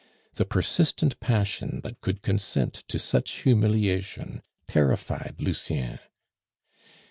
The persistent passion that could consent to such humiliation terrified Lucien.